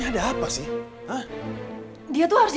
oi bangun oi